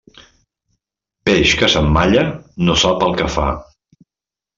Peix que s'emmalla, no sap el que fa.